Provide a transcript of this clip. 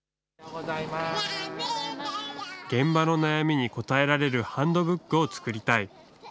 現場の悩みに応えられるハンドブックを作りたい。